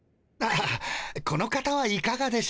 この方はいかがでしょう？